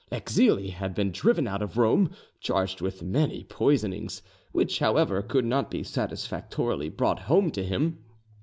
Exili had been driven out of Rome, charged with many poisonings, which, however, could not be satisfactorily brought home to him.